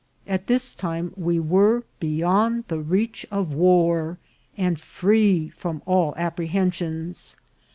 At this time we were be*yond the reach of war, and free from all apprehensions.